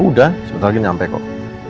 udah sebentar lagi nyampe kok